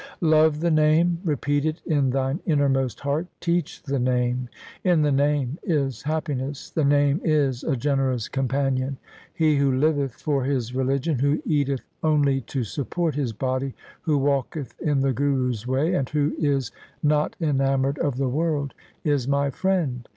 ' Love the Name ; repeat it in thine innermost, heart ; teach the Name. In the Name is happiness ; the Name is a generous companion. He who liveth for his religion, who eateth only to support his body, who walketh in the Guru's way, and who is not enamoured of the world, is my friend.